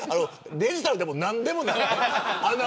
デジタルでも何でもない。